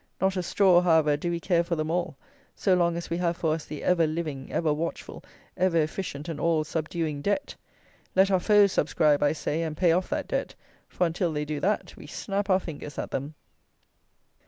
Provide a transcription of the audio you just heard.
Not a straw, however, do we care for them all, so long as we have for us the ever living, ever watchful, ever efficient, and all subduing Debt! Let our foes subscribe, I say, and pay off that Debt; for until they do that we snap our fingers at them.